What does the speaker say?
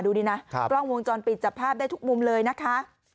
ดูดีนะกล้องวงจรปิดจับภาพได้ทุกมุมเลยนะคะ